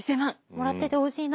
もらっててほしいな。